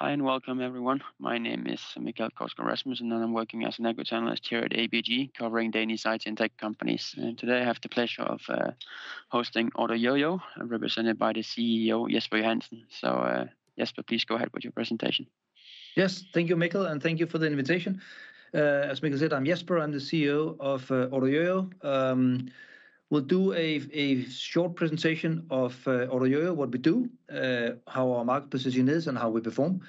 Hi, and welcome, everyone. My name is Mikkel Kousgaard Rasmussen, and I'm working as an equity analyst here at ABG, covering Danish tech companies. And today, I have the pleasure of hosting OrderYOYO, represented by the CEO, Jesper Johansen. So, Jesper, please go ahead with your presentation. Yes, thank you, Mikkel, and thank you for the invitation. As Mikkel said, I'm Jesper. I'm the CEO of OrderYOYO. We'll do a short presentation of OrderYOYO, what we do, how our market position is, and how we perform.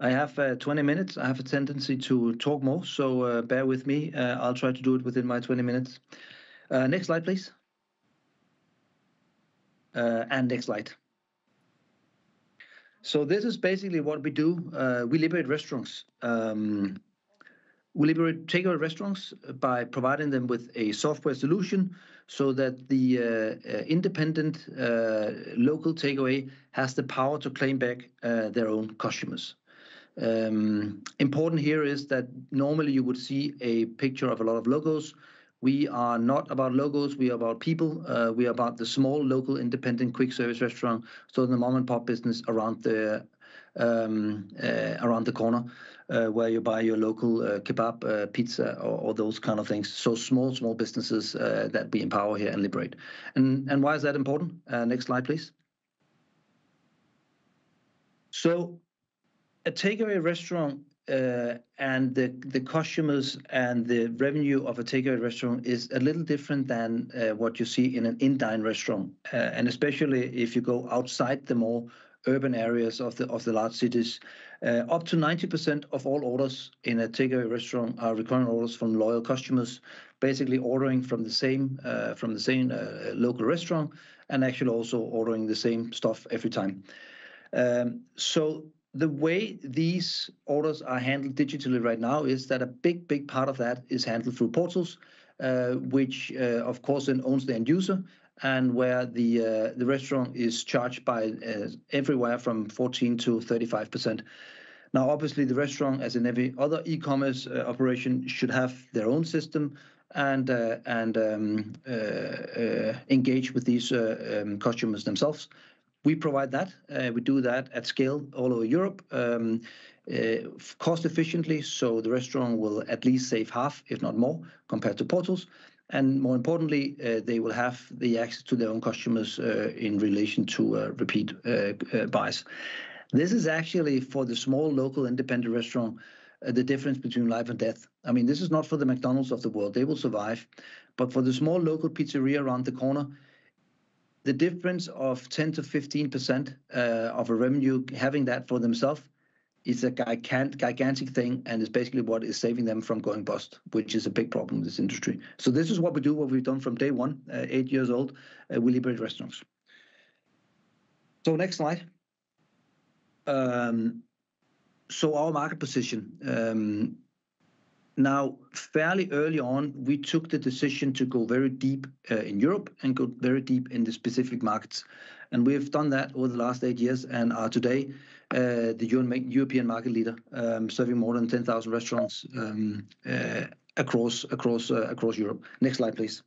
I have 20 minutes. I have a tendency to talk more, so bear with me. I'll try to do it within my 20 minutes. Next slide, please. Next slide. So this is basically what we do. We liberate restaurants. We liberate takeaway restaurants by providing them with a software solution so that the independent local takeaway has the power to claim back their own customers. Important here is that normally you would see a picture of a lot of logos. We are not about logos, we are about people. We are about the small, local, independent, quick-service restaurant, so the mom-and-pop business around the corner, where you buy your local kebab, pizza, or those kind of things. So small businesses that we empower here and liberate. And why is that important? Next slide, please. So a takeaway restaurant and the customers and the revenue of a takeaway restaurant is a little different than what you see in a dine-in restaurant, and especially if you go outside the more urban areas of the large cities. Up to 90% of all orders in a takeaway restaurant are recurring orders from loyal customers, basically ordering from the same local restaurant, and actually also ordering the same stuff every time. So the way these orders are handled digitally right now is that a big, big part of that is handled through portals, which, of course, then owns the end-user and where the restaurant is charged by everywhere from 14%-35%. Now, obviously, the restaurant, as in every other e-commerce operation, should have their own system and engage with these customers themselves. We provide that. We do that at scale all over Europe, cost efficiently, so the restaurant will at least save half, if not more, compared to portals. And more importantly, they will have the access to their own customers, in relation to repeat buys. This is actually for the small, local, independent restaurant, the difference between life and death. I mean, this is not for the McDonald's of the world. They will survive. But for the small, local pizzeria around the corner, the difference of 10%-15% of a revenue, having that for themselves, is a gigantic thing, and it's basically what is saving them from going bust, which is a big problem in this industry. So this is what we do, what we've done from day one, eight years old, we liberate restaurants. So next slide. So our market position. Now, fairly early on, we took the decision to go very deep in Europe and go very deep in the specific markets. And we have done that over the last eight years, and today, the European market leader, serving more than 10,000 restaurants, across Europe. Next slide, please.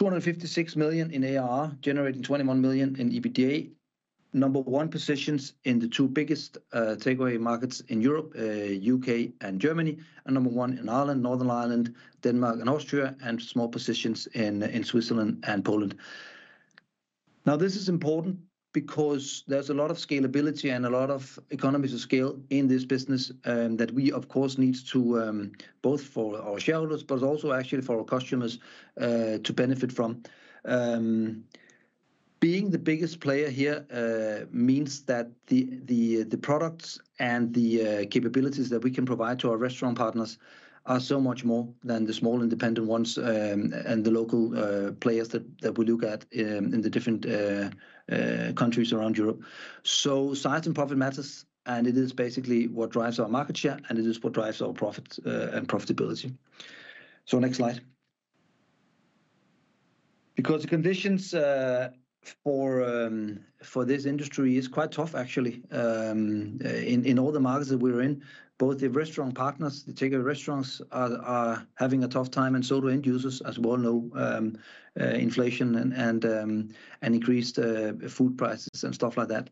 256 million in ARR, generating 21 million in EBITDA. Number one positions in the two biggest takeaway markets in Europe, U.K. and Germany, and number one in Ireland, Northern Ireland, Denmark and Austria, and small positions in Switzerland and Poland. Now, this is important because there's a lot of scalability and a lot of economies of scale in this business, that we, of course, needs to both for our shareholders, but also actually for our customers, to benefit from. Being the biggest player here means that the products and the capabilities that we can provide to our restaurant partners are so much more than the small independent ones, and the local players that we look at in the different countries around Europe. So size and profit matters, and it is basically what drives our market share, and it is what drives our profit, and profitability. So next slide. Because the conditions for this industry is quite tough, actually, in all the markets that we're in, both the restaurant partners, the takeaway restaurants are having a tough time, and so do end-users as well, inflation and increased food prices and stuff like that.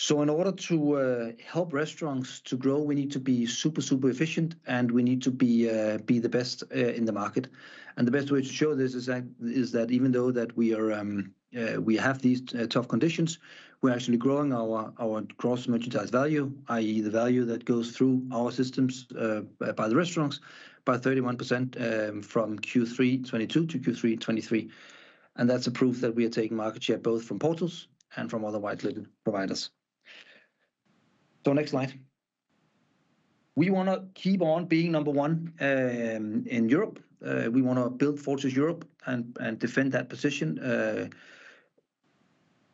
So in order to help restaurants to grow, we need to be super, super efficient, and we need to be the best in the market. The best way to show this is that even though we have these tough conditions, we're actually growing our gross merchandise value, i.e., the value that goes through our systems by the restaurants, by 31% from Q3 2022-Q3 2023. That's a proof that we are taking market share, both from portals and from other white-label providers. Next slide. We wanna keep on being number one in Europe. We wanna build Fortress Europe and defend that position.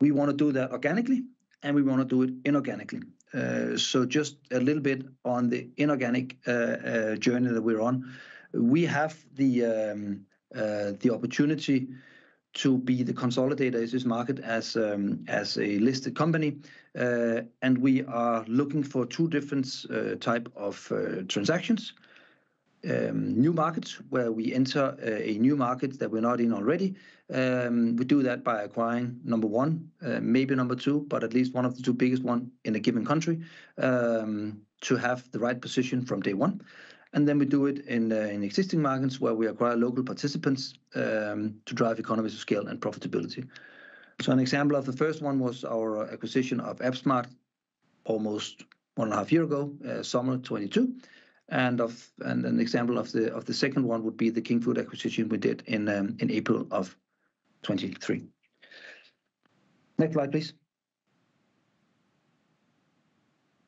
We wanna do that organically, and we wanna do it inorganically. So just a little bit on the inorganic journey that we're on. We have the opportunity to be the consolidator in this market as a listed company, and we are looking for two different type of transactions. new markets, where we enter a new market that we're not in already. We do that by acquiring number one, maybe number two, but at least one of the two biggest one in a given country, to have the right position from day one. And then we do it in existing markets, where we acquire local participants, to drive economies of scale and profitability. So an example of the first one was our acquisition of app smart, almost 1.5 year ago, summer 2022. And an example of the second one would be the Kingfood acquisition we did in April of 2023. Next slide, please.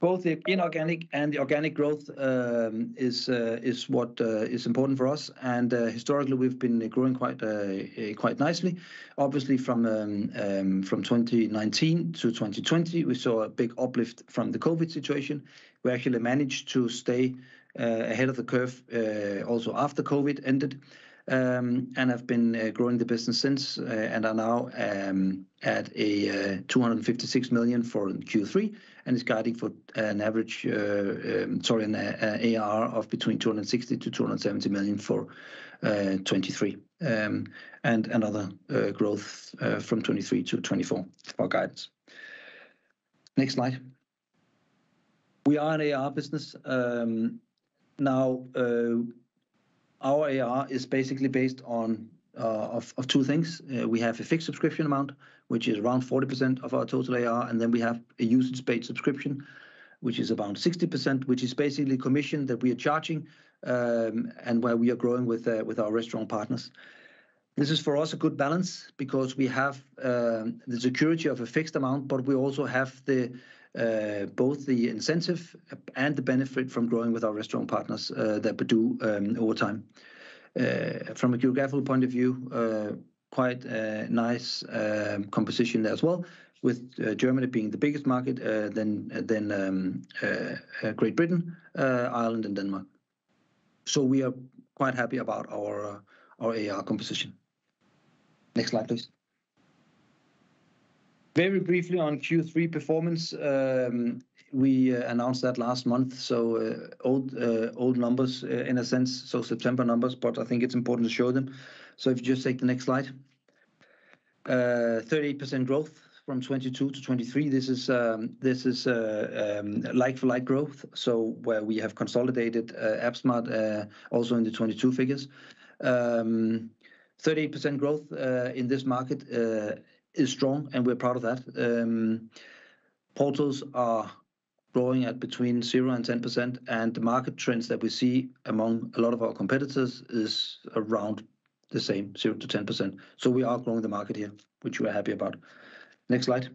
Both the inorganic and the organic growth is what is important for us, and historically, we've been growing quite nicely. Obviously, from 2019-2020, we saw a big uplift from the COVID situation. We actually managed to stay ahead of the curve also after COVID ended. And have been growing the business since, and are now at 256 million for Q3, and is guiding for an average, sorry, an ARR of between 260 million-270 million for 2023. And another growth from 2023-2024, for our guidance. Next slide. We are an ARR business. Now, our ARR is basically based on two things. We have a fixed subscription amount, which is around 40% of our total ARR, and then we have a usage-based subscription, which is around 60%, which is basically commission that we are charging, and where we are growing with our restaurant partners. This is, for us, a good balance because we have the security of a fixed amount, but we also have both the incentive and the benefit from growing with our restaurant partners that we do over time. From a geographical point of view, quite a nice composition there as well, with Germany being the biggest market, then Great Britain, Ireland and Denmark. So we are quite happy about our ARR composition. Next slide, please. Very briefly on Q3 performance. We announced that last month, so old numbers in a sense, so September numbers, but I think it's important to show them. So if you just take the next slide. 38% growth from 2022-2023. This is like-for-like growth, so where we have consolidated app smart also in the 2022 figures. 38% growth in this market is strong, and we're proud of that. Portals are growing at between 0% and 10%, and the market trends that we see among a lot of our competitors is around the same, 0%-10%. So we are growing the market here, which we are happy about. Next slide.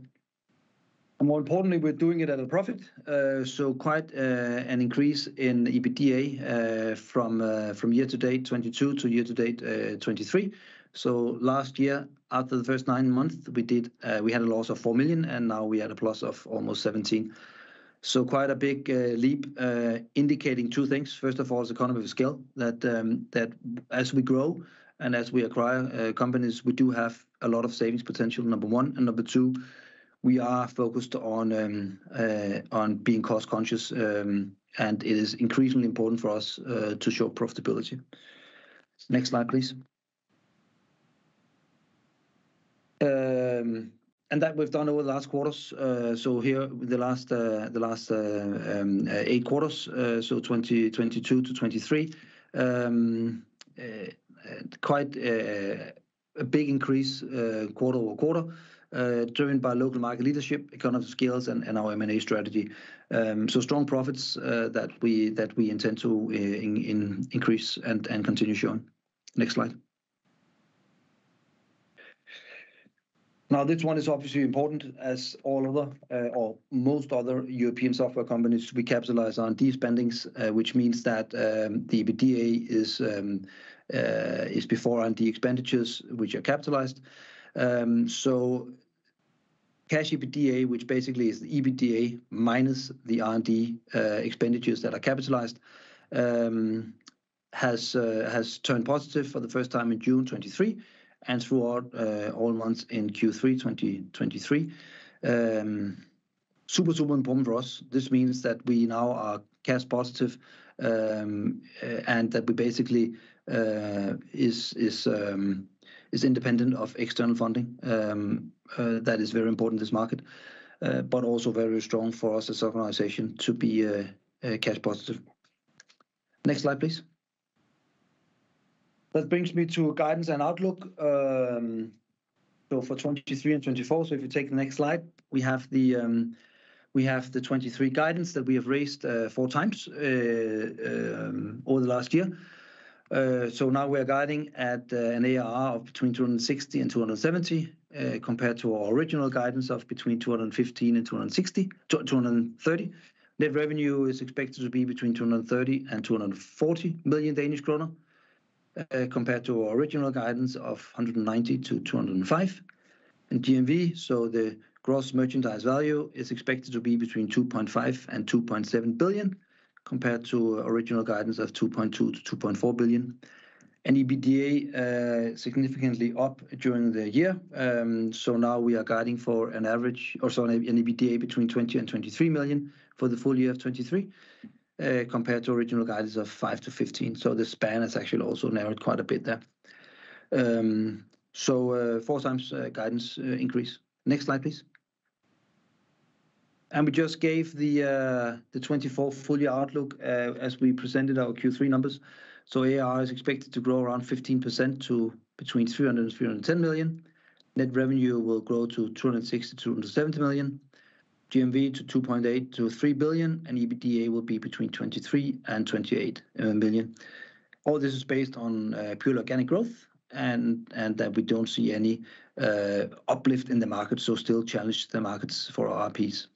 And more importantly, we're doing it at a profit. So quite an increase in EBITDA from year to date 2022 to year to date 2023. So last year, after the first 9 months, we had a loss of 4 million, and now we had a plus of almost 17 million. So quite a big leap indicating two things: first of all, is economy of scale, that as we grow and as we acquire companies, we do have a lot of savings potential, number one. And number two, we are focused on being cost conscious, and it is increasingly important for us to show profitability. Next slide, please. And that we've done over the last quarters. So here, the last eight quarters, so 2022 to 2023. Quite a big increase quarter-over-quarter, driven by local market leadership, economies of scale, and our M&A strategy. So strong profits that we intend to increase and continue showing. Next slide. Now, this one is obviously important as all other, or most other European software companies, we capitalize on R&D spending, which means that the EBITDA is before R&D expenditures which are capitalized. So cash EBITDA, which basically is the EBITDA minus the R&D expenditures that are capitalized, has turned positive for the first time in June 2023 and throughout all months in Q3 2023. Super important for us. This means that we now are cash positive, and that we basically is independent of external funding. That is very important in this market, but also very strong for us as an organization to be cash positive. Next slide, please. That brings me to guidance and outlook. So for 2023 and 2024, so if you take the next slide, we have the 2023 guidance that we have raised 4x over the last year. So now we are guiding at an ARR of between 260 and 270, compared to our original guidance of between 215 and 230. Net revenue is expected to be between 230 million and 240 million Danish krone, compared to our original guidance of 190 million-205 million. GMV, so the gross merchandise value, is expected to be between 2.5 billion and 2.7 billion, compared to original guidance of 2.2 billion-2.4 billion. And EBITDA significantly up during the year. So now we are guiding for an average or so an EBITDA between 20 million and 23 million for the full year of 2023, compared to original guidance of 5 million-15 million. So the span has actually also narrowed quite a bit there. Four times guidance increase. Next slide, please. We just gave the 2024 full year outlook as we presented our Q3 numbers. So ARR is expected to grow around 15% to between 300 million and 310 million. Net revenue will grow to 260 million-270 million. GMV to 2.8 billion-3 billion, and EBITDA will be between 23 million and 28 million. All this is based on pure organic growth, and that we don't see any uplift in the market, so still challenge the markets for our RPs.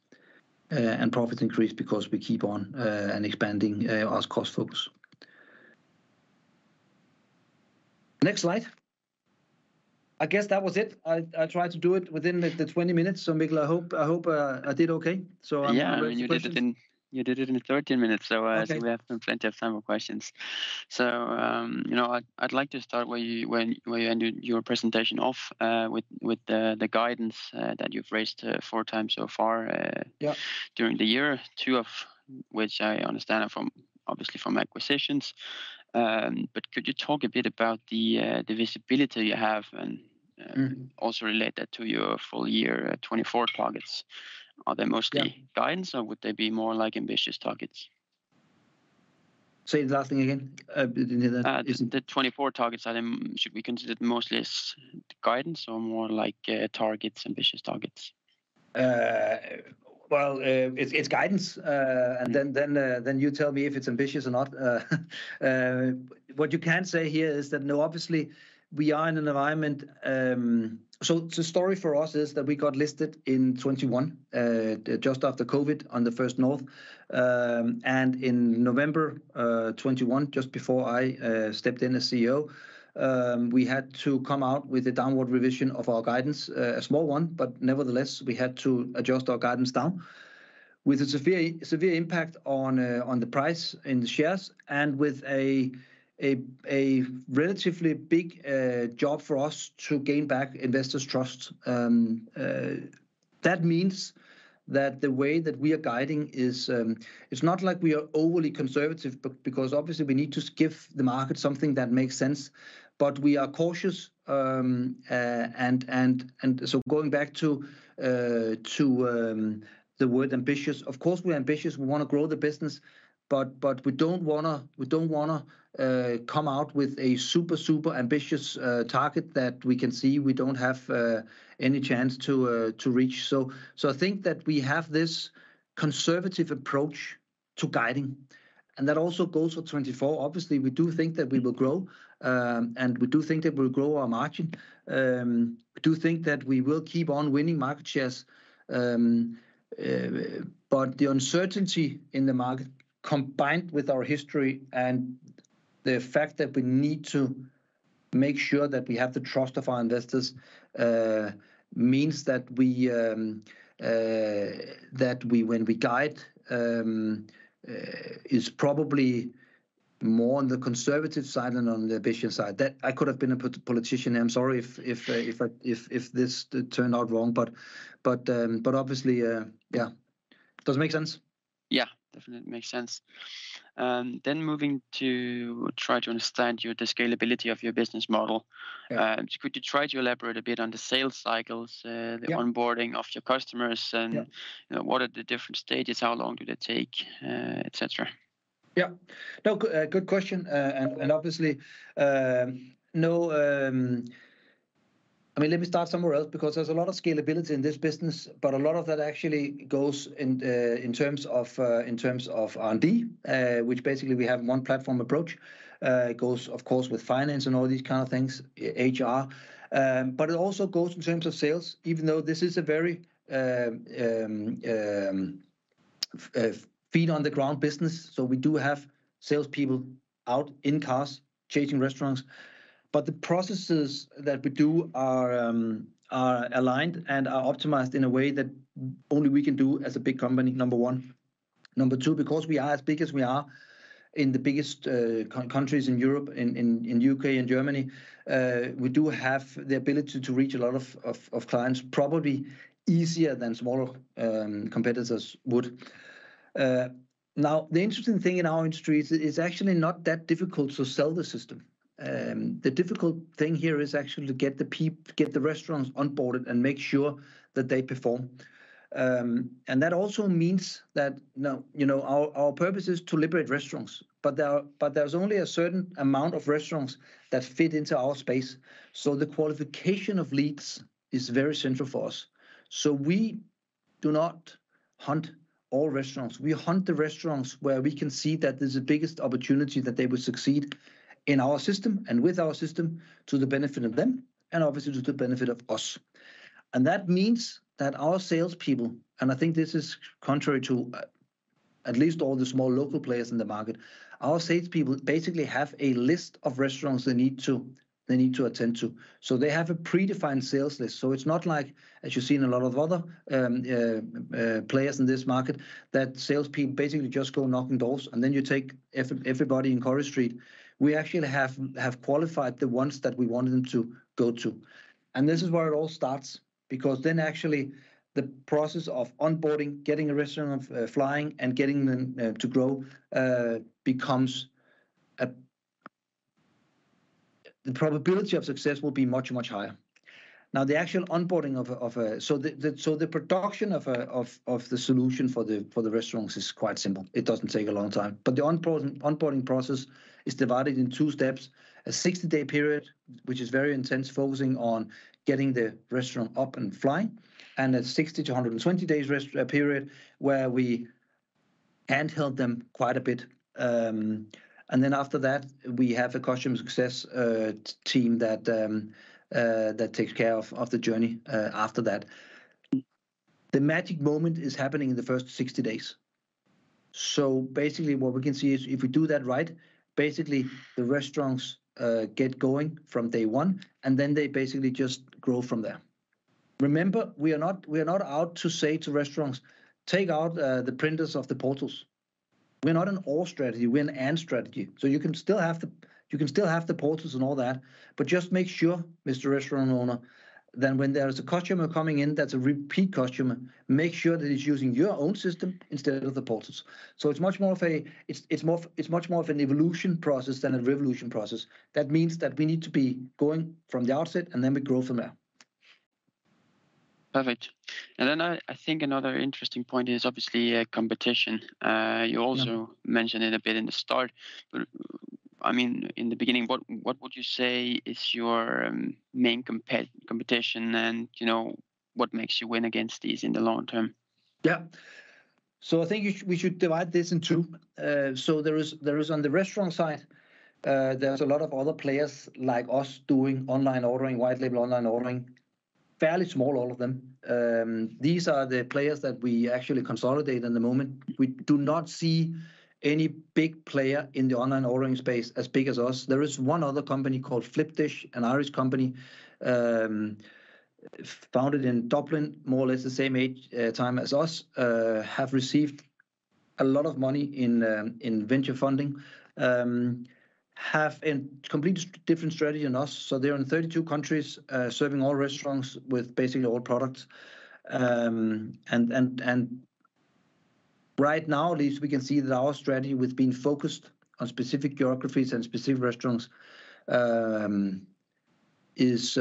And profit increase because we keep on and expanding our cost focus. Next slide. I guess that was it. I tried to do it within the 20 minutes, so Mikkel, I hope I did okay. So, Yeah, you did it in, you did it in 13 minutes. Okay. So, so we have plenty of time for questions. So, you know, I'd like to start where you ended your presentation off, with the guidance that you've raised four times so far during the year. Two of which I understand are from, obviously from acquisitions. But could you talk a bit about the visibility you have, and also relate that to your full year 2024 targets? Are they mostly guidance, or would they be more like ambitious targets? Say the last thing again, the... The 2024 targets item, should be considered mostly as guidance or more like, targets, ambitious targets? Well, it's guidance and then you tell me if it's ambitious or not. What you can say here is that, no, obviously, we are in an environment. So the story for us is that we got listed in 2021, just after COVID, on the First North. And in November 2021, just before I stepped in as CEO, we had to come out with a downward revision of our guidance. A small one, but nevertheless, we had to adjust our guidance down, with a severe, severe impact on the price and the shares, and with a relatively big job for us to gain back investors' trust. That means that the way that we are guiding is, it's not like we are overly conservative, but because obviously we need to give the market something that makes sense. But we are cautious, and so going back to the word ambitious, of course we're ambitious. We want to grow the business, but we don't wanna come out with a super ambitious target that we can see we don't have any chance to reach. So I think that we have this conservative approach to guiding, and that also goes for 2024. Obviously, we do think that we will grow, and we do think that we'll grow our margin. We do think that we will keep on winning market shares. But the uncertainty in the market, combined with our history and the fact that we need to make sure that we have the trust of our investors, means that when we guide, is probably more on the conservative side than on the ambitious side. That I could have been a politician. I'm sorry if this turned out wrong, but obviously, yeah. Does it make sense? Yeah, definitely makes sense. Then moving to try to understand your, the scalability of your business model. Yeah. Could you try to elaborate a bit on the sales cycles? The onboarding of your customers, and what are the different stages? How long do they take, et cetera? Yeah. No, good question. And obviously, I mean, let me start somewhere else, because there's a lot of scalability in this business, but a lot of that actually goes in terms of in terms of R&D, which basically we have one platform approach. It goes, of course, with finance and all these kind of things, HR. But it also goes in terms of sales, even though this is a very feet-on-the-ground business. So we do have salespeople out in cars, chasing restaurants. But the processes that we do are are aligned and are optimized in a way that only we can do as a big company, number one. Number two, because we are as big as we are in the biggest countries in Europe, in U.K. and Germany, we do have the ability to reach a lot of clients, probably easier than smaller competitors would. Now, the interesting thing in our industry is, it's actually not that difficult to sell the system. The difficult thing here is actually to get the restaurants onboarded and make sure that they perform. That also means that, no, you know, our purpose is to liberate restaurants, but there are, but there's only a certain amount of restaurants that fit into our space. So the qualification of leads is very central for us. So we do not hunt all restaurants. We hunt the restaurants where we can see that there's the biggest opportunity that they will succeed in our system and with our system, to the benefit of them, and obviously to the benefit of us. That means that our salespeople, and I think this is contrary to at least all the small local players in the market, our salespeople basically have a list of restaurants they need to, they need to attend to. They have a predefined sales list. It's not like, as you see in a lot of other players in this market, that salespeople basically just go knocking doors, and then you take everybody in Curry Street. We actually have qualified the ones that we want them to go to. This is where it all starts, because then actually the process of onboarding, getting a restaurant flying and getting them to grow becomes... The probability of success will be much, much higher. Now, the actual onboarding of a— So the production of the solution for the restaurants is quite simple. It doesn't take a long time. But the onboarding process is divided in two steps: a 60-day period, which is very intense, focusing on getting the restaurant up and flying, and a 60- to 120-day rest period, where we handhold them quite a bit. And then after that, we have a customer success team that takes care of the journey after that. The magic moment is happening in the first 60 days. Basically, what we can see is if we do that right, basically, the restaurants get going from day one, and then they basically just grow from there. Remember, we are not, we are not out to say to restaurants, "Take out the printers of the portals." We're not an or strategy, we're an and strategy. You can still have the, you can still have the portals and all that, but just make sure, Mr. Restaurant Owner, then when there is a customer coming in that's a repeat customer, make sure that it's using your own system instead of the portals. It's more of, it's much more of an evolution process than a revolution process. That means that we need to be going from the outset, and then we grow from there. Perfect. And then I think another interesting point is obviously, competition. You also mentioned it a bit in the start. But, I mean, in the beginning, what would you say is your main competition, and, you know, what makes you win against these in the long term? Yeah. So I think we should divide this in two. So there is, on the restaurant side, there's a lot of other players like us doing online ordering, white-label online ordering. Fairly small, all of them. These are the players that we actually consolidate in the moment. We do not see any big player in the online ordering space as big as us. There is one other company called Flipdish, an Irish company, founded in Dublin, more or less the same age, time as us. Have received a lot of money in venture funding, have a completely different strategy than us. So they're in 32 countries, serving all restaurants with basically all products. Right now, at least we can see that our strategy with being focused on specific geographies and specific restaurants is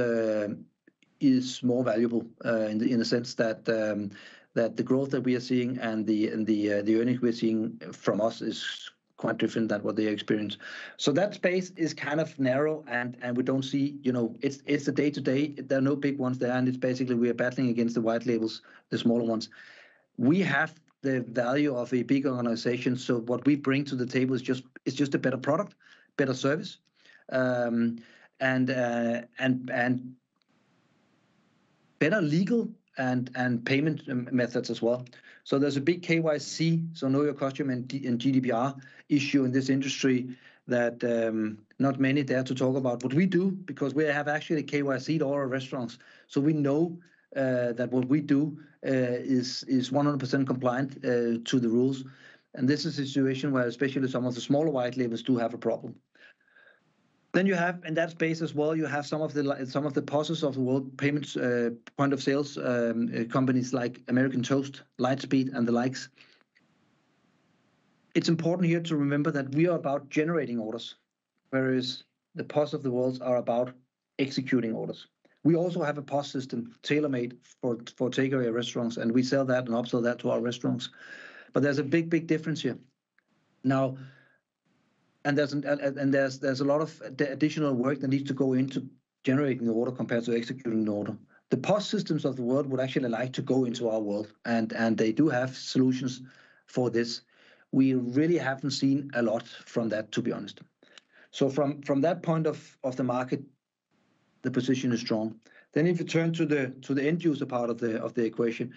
more valuable in the sense that the growth that we are seeing and the earning we're seeing from us is quite different than what they experience. So that space is kind of narrow, and we don't see... You know, it's a day-to-day. There are no big ones there, and it's basically we are battling against the white labels, the smaller ones. We have the value of a big organization, so what we bring to the table is just, it's just a better product, better service, and better legal and payment methods as well. So there's a big KYC, so know your customer, and data and GDPR issue in this industry that not many dare to talk about. But we do, because we have actually KYC'd all our restaurants. So we know that what we do is 100% compliant to the rules. And this is a situation where especially some of the smaller white labels do have a problem. Then you have, in that space as well, you have some of the larger POSs of the world payments, Point of Sales, companies like American Toast, Lightspeed, and the likes. It's important here to remember that we are about generating orders, whereas the POSs of the world are about executing orders. We also have a POS system tailor-made for takeaway restaurants, and we sell that and also that to our restaurants. But there's a big, big difference here. And there's a lot of additional work that needs to go into generating the order compared to executing the order. The POS systems of the world would actually like to go into our world, and they do have solutions for this. We really haven't seen a lot from that, to be honest. So from that point of the market, the position is strong. Then if you turn to the end-user part of the equation,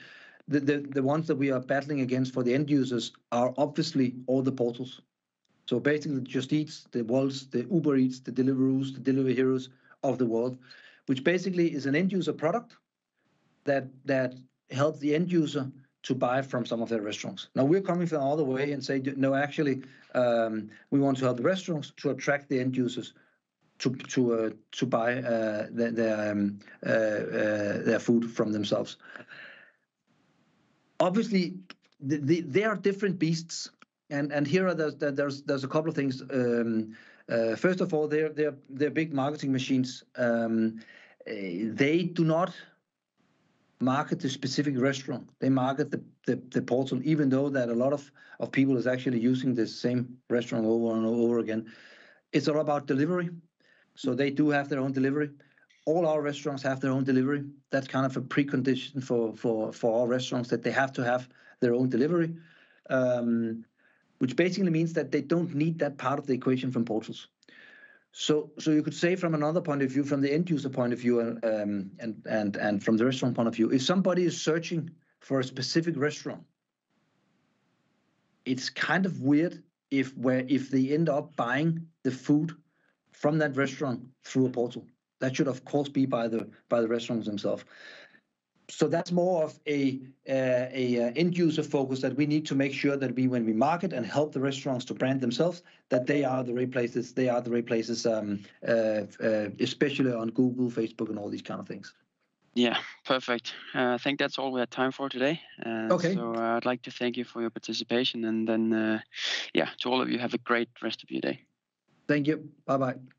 the ones that we are battling against for the end-users are obviously all the portals. So basically, Just Eat, Wolt, Uber Eats, Deliveroo, Delivery Hero of the world, which basically is an end-user product that helps the end-user to buy from some of the restaurants. Now, we're coming from all the way and say, "No, actually, we want to help the restaurants to attract the end-users to buy their food from themselves." Obviously, they are different beasts, and here are the... There's a couple of things. First of all, they're big marketing machines. They do not market the specific restaurant. They market the portal, even though a lot of people is actually using the same restaurant over and over again. It's all about delivery, so they do have their own delivery. All our restaurants have their own delivery. That's kind of a precondition for our restaurants, that they have to have their own delivery, which basically means that they don't need that part of the equation from portals. So you could say from another point of view, from the end-user point of view and from the restaurant point of view, if somebody is searching for a specific restaurant, it's kind of weird if they end up buying the food from that restaurant through a portal. That should, of course, be by the restaurants themselves. So that's more of a end-user focus that we need to make sure that we, when we market and help the restaurants to brand themselves, that they are the right places, they are the right places, especially on Google, Facebook, and all these kind of things. Yeah, perfect. I think that's all we have time for today. Okay. So, I'd like to thank you for your participation, and then, yeah, to all of you, have a great rest of your day. Thank you. Bye-bye.